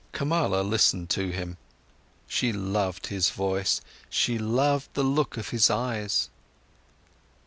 Kamala listened to him. She loved his voice, she loved the look from his eyes.